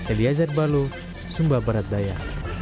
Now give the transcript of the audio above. eli azad baluh sumba barat daya